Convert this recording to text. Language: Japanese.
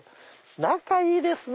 仲いいですね。